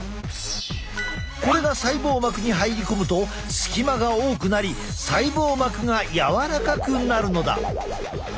これが細胞膜に入り込むと隙間が多くなり細胞膜が柔らかくなるのだ。